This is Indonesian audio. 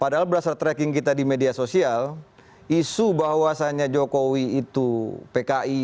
padahal berdasarkan tracking kita di media sosial isu bahwasannya jokowi itu pki